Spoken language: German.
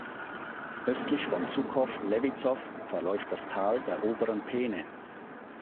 Östlich von Sukow-Levitzow verläuft das Tal der oberen Peene.